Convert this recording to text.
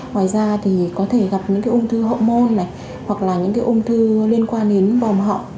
ngoài ra thì có thể gặp những ung thư hậu môn hoặc là những ung thư liên quan đến bòm họ